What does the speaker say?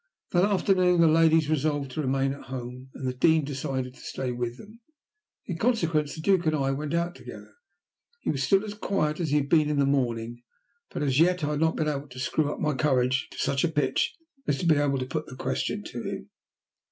That afternoon the ladies resolved to remain at home, and the Dean decided to stay with them. In consequence, the Duke and I went out together. He was still as quiet as he had been in the morning, but as yet I had not been able to screw up my courage to such a pitch as to be able to put the question to him.